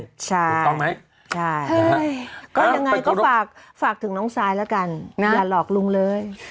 ถูกต้องไหมใช่ก็ยังไงก็ฝากถึงน้องซายแล้วกันอย่าหลอกลุงเลย